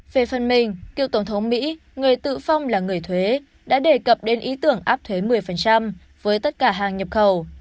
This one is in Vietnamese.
về phần mình cựu tổng thống mỹ người tự phong là người thuế đã đề cập đến ý tưởng áp thuế một mươi với tất cả hàng nhập khẩu